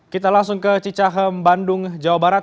kita langsung ke cicahem bandung jawa barat